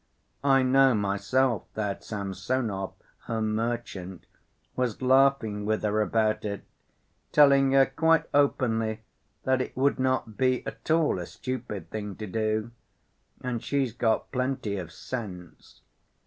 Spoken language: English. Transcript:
I know myself that Samsonov, her merchant, was laughing with her about it, telling her quite openly that it would not be at all a stupid thing to do. And she's got plenty of sense.